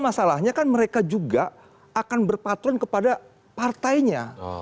masalahnya kan mereka juga akan berpatron kepada partainya